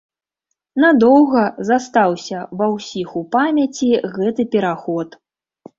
Надоўга застаўся ва ўсіх у памяці гэты пераход.